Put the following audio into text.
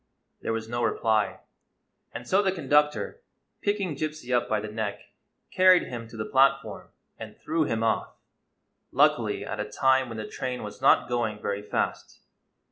There was no reply; and so the conductor, picking Gypsy up by the neck, carried him to the platform and threw him off — luckily at a time when the train was not going very fast.